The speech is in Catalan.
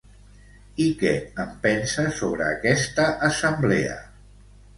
I què en pensa sobre aquesta assemblea?